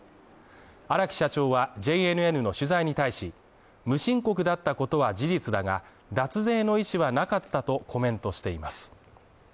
荒木社長はＪＮＮの取材に対し、無申告だったことは事実だが、脱税の意思はなかったとコメントしています。